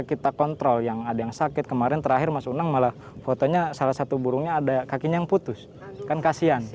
kita kontrol yang ada yang sakit kemarin terakhir mas unang malah fotonya salah satu burungnya ada kakinya yang putus kan kasian